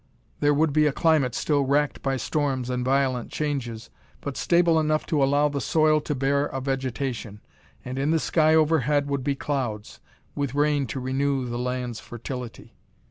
There would be a climate still wracked by storms and violent changes, but stable enough to allow the soil to bear a vegetation. And in the sky overhead would be clouds, with rain to renew the land's fertility.